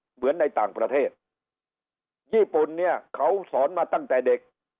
เหมือนในต่างประเทศญี่ปุ่นเนี่ยเขาสอนมาตั้งแต่เด็ก